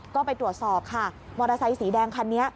ก็ไปตรวจสอบค่ะมอเตอร์ไซสีแดงคันนี้